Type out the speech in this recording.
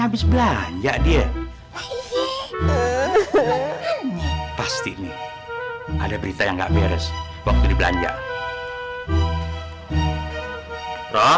habis belanja dia pasti ada berita yang gak bas improvisasi makeou belanja roh roh